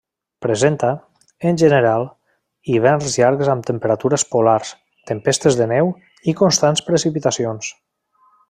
Presenta, en general, hiverns llargs amb temperatures polars, tempestes de neu i constants precipitacions.